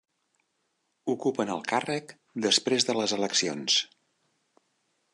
Ocupen el càrrec després de les eleccions.